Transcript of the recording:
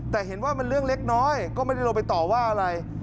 แต่เห็นว่ามันเรื่องเล็กน้อยก็ไม่ได้ลงไปต่อว่าอะไร